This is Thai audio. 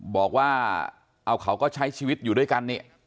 บอกว่าเอาเขาก็ใช้ชีวิตอยู่ด้วยกันนี่